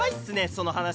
その話。